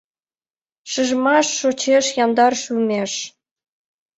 Шижмаш шочеш яндар шӱмеш.